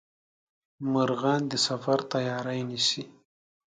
مرغان د سفر تیاري نیسي